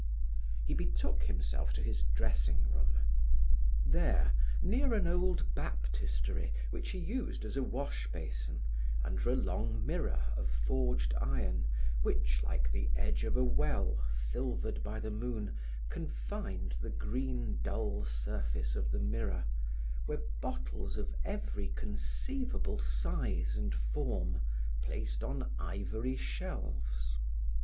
He betook himself to his dressing room. There, near an old baptistery which he used as a wash basin, under a long mirror of forged iron, which, like the edge of a well silvered by the moon, confined the green dull surface of the mirror, were bottles of every conceivable size and form, placed on ivory shelves.